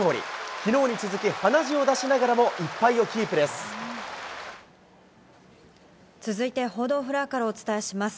きのうに続き、鼻血を出しながら続いて報道フロアからお伝えします。